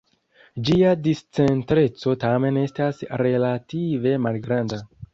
Ĝia discentreco tamen estas relative malgranda.